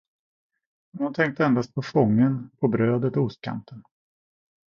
Men hon tänkte endast på fången, på brödet och ostkanten.